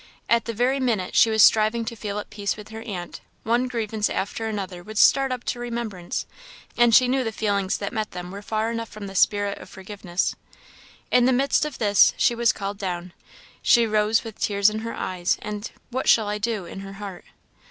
At the very minute she was striving to feel at peace with her aunt, one grievance after another would start up to remembrance, and she knew the feelings that met them were far enough from the spirit of forgiveness. In the midst of this she was called down. She rose with tears in her eyes, and "what shall I do?" in her heart.